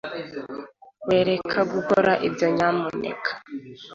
Wareka gukora ibyo nyamuneka